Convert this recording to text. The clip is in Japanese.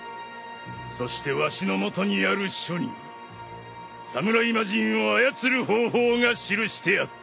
そしてわしのもとにある書には侍魔人を操る方法が記してあった。